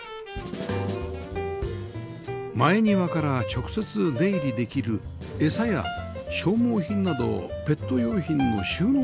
前庭から直接出入りできる餌や消耗品などペット用品の収納スペース